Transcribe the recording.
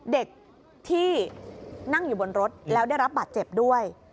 เด็กที่นั่งอยู่บนรถแล้วได้รับบาดเจ็บด้วย